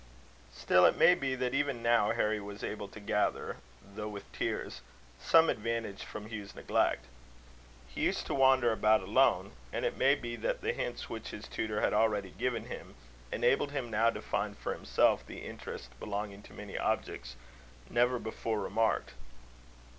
Still, it may be that even now Harry was able to gather, though with tears, some advantage from Hugh's neglect. He used to wander about alone; and it may be that the hints which his tutor had already given him, enabled him now to find for himself the interest belonging to many objects never before remarked.